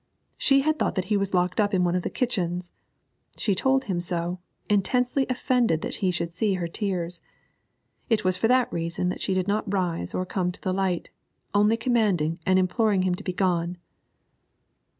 She had thought that he was locked up in one of the kitchens; she told him so, intensely offended that he should see her tears. It was for that reason that she did not rise or come to the light, only commanding and imploring him to be gone.